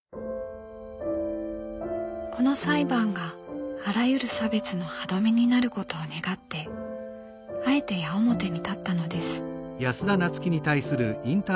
この裁判があらゆる差別の歯止めになることを願ってあえて矢面に立ったのです。